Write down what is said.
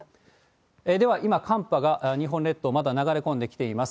では、今、寒波が日本列島、まだ流れ込んできています。